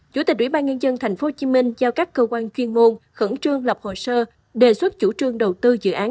chủ tịch ubnd tp hcm giao các cơ quan chuyên môn khẩn trương lập hồ sơ đề xuất chủ trương đầu tư dự án